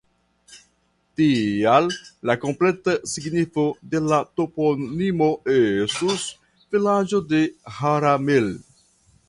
Tial la kompleta signifo de la toponimo estus "vilaĝo de Herramel".